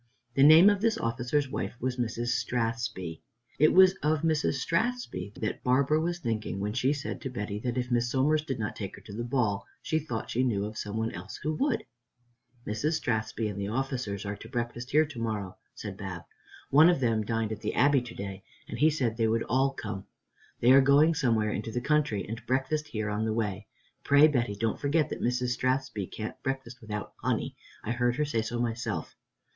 The name of this officer's wife was Mrs. Strathspey. It was of Mrs. Strathspey that Barbara was thinking when she said to Betty that if Miss Somers did not take her to the ball, she thought she knew of some one else who would. "Mrs. Strathspey and the officers are to breakfast here to morrow," said Bab. "One of them dined at the Abbey to day and he said they would all come. They are going somewhere into the country and breakfast here on the way. Pray, Betty, don't forget that Mrs. Strathspey can't breakfast without honey. I heard her say so myself."